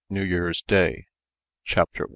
NEW YEAR'S DAY CHAPTER I.